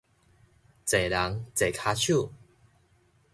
濟人濟跤手